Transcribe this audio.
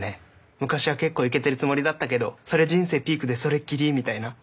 昔は結構イケてるつもりだったけどそれ人生ピークでそれっきりみたいな。